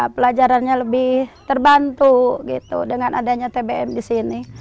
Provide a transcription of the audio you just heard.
pelajarannya lebih terbantu gitu dengan adanya tbm di sini